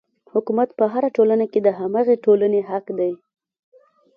حکومت په هره ټولنه کې د هماغې ټولنې حق دی.